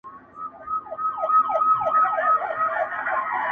د اوښکو شپه څنګه پر څوکه د باڼه تېرېږي،